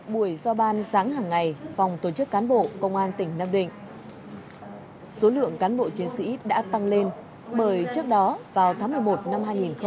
buổi giao ban sáng hàng ngày phòng tổ chức cán bộ công an tỉnh nam định số lượng cán bộ chiến sĩ đã tăng lên bởi trước đó vào tháng một mươi một năm hai nghìn một mươi chín